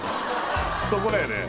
そこだよね